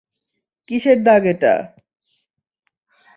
কীসের দাগ এটা?